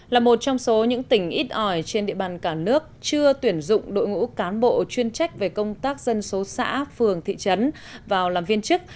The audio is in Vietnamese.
là một trong số những tỉnh ít ỏi trên địa bàn cả nước chưa tuyển dụng đội ngũ cán bộ chuyên trách về công tác dân số xã phường thị trấn vào làm viên chức